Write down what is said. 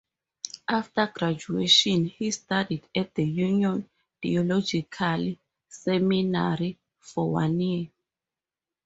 After graduation, he studied at the Union Theological Seminary for one year.